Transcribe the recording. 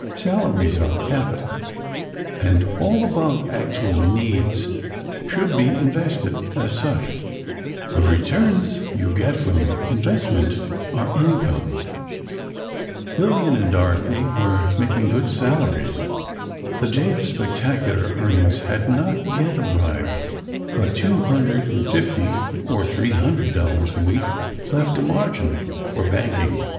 Salaries are capital, and all above actual needs should be invested as such. The returns you get from investment are income." [Illustration: LILLIAN AS ELSIE STONEMAN, IN "THE BIRTH OF A NATION"] Lillian and Dorothy were making very good salaries. The day of spectacular earnings had not yet arrived, but two hundred and fifty or three hundred dollars a week left a margin for banking.